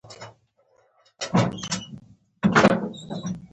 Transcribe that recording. دا زموږ غوښتنه وه.